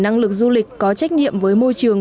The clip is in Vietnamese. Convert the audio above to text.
năng lực du lịch có trách nhiệm với môi trường